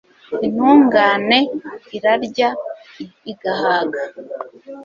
intungane irarya igahag